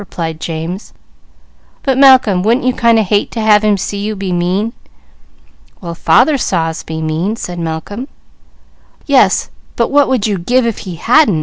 replied James. "But Malcolm, wouldn't you kind o' hate to have him see you be mean?" "Well father saw us be mean," said Malcolm. "Yes, but what would you give if he _hadn't?